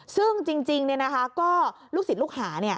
ซึ่งจริงก็ลูกศิษย์ลูกหา